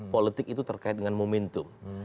politik itu terkait dengan momentum